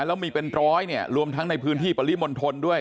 แล้วมีเป็นร้อยเนี่ยรวมทั้งในพื้นที่ปริมณฑลด้วย